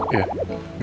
bapak sudah setuju